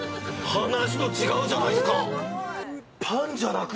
話と違うじゃないですか。